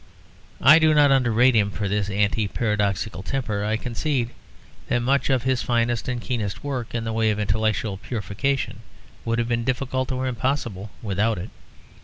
I do not under rate him for this anti paradoxical temper; I concede that much of his finest and keenest work in the way of intellectual purification would have been difficult or impossible without it.